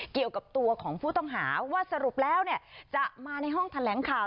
เกี่ยวกับตัวของผู้ต้องหาว่าสรุปแล้วจะมาในห้องแถลงข่าว